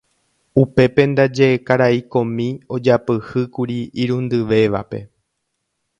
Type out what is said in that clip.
Upépe ndaje karai komi ojapyhýkuri irundyvévape.